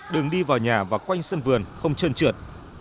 đường đi vào nhà và quanh sân vườn không trơn trượt